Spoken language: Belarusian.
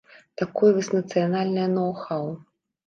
Такое вось нацыянальнае ноў-хаў.